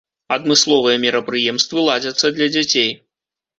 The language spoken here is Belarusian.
Адмысловыя мерапрыемствы ладзяцца для дзяцей.